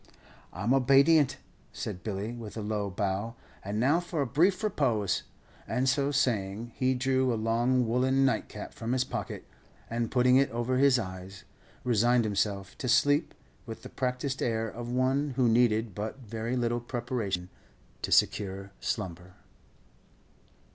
"I 'm obaydient," said Billy, with a low bow; "and now for a brief repose!" And so saying, he drew a long woollen nightcap from his pocket, and putting it over his eyes, resigned himself to sleep with the practised air of one who needed but very little preparation to secure slumber.